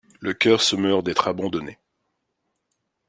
Le cœur se meurt d’être abandonné.